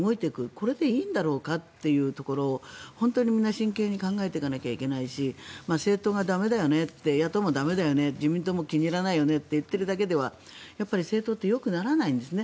これでいいんだろうかというところを本当にみんな真剣に考えていかなければいけないし政党が駄目だよね野党も駄目だよね自民党も気に入らないよねと言っているだけでは政治ってよくならないんですね。